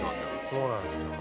そうなんですよ。